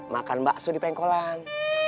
makan bakso di pengkolan